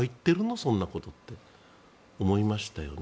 そんなこと？って思いましたよね。